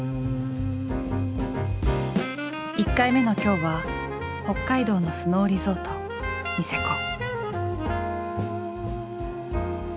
１回目の今日は北海道のスノーリゾートニセコ。